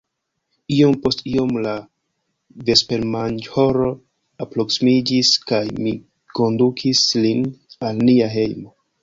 Iom post iom la vespermanĝhoro alproksimiĝis kaj mi kondukis lin al nia hejmo.